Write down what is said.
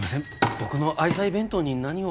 僕の愛妻弁当に何を？